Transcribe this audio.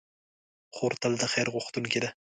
خور تل د خیر غوښتونکې ده.